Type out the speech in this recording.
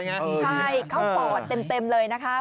ใช่เข้าปอดเต็มเลยนะคะ